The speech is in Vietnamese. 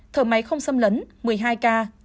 thở máy không xâm lấn một mươi hai ca